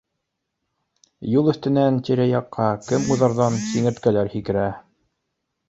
Юл өҫтөнән тирә-яҡҡа кем уҙарҙан сиңерткәләр һикерә